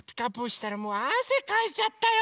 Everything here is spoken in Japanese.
したらもうあせかいちゃったよ！